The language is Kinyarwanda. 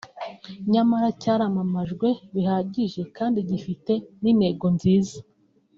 nyamara cyaramamajwe bihagije kandi gifite n’intego nziza